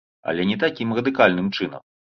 Але не такім радыкальным чынам.